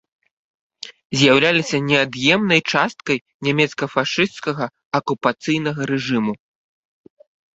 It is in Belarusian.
З'яўляліся неад'емнай часткай нямецка-фашысцкага акупацыйнага рэжыму.